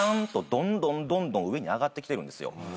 どんどんどんどん上に上がってきてるんですよ。